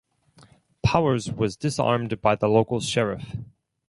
Powers was disarmed by the local sheriff.